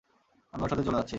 আমি ওর সাথে চলে যাচ্ছি!